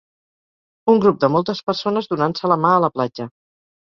Un grup de moltes persones donant-se la mà a la platja.